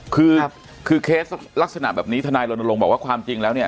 คือคือเคสลักษณะแบบนี้ทนายรณรงค์บอกว่าความจริงแล้วเนี่ย